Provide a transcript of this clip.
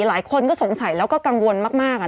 หลายคนก็สงสัยแล้วก็กังวลมาก